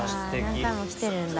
何回も来てるんだ。